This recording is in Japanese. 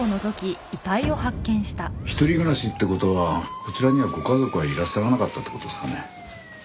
一人暮らしって事はこちらにはご家族はいらっしゃらなかったって事ですかね？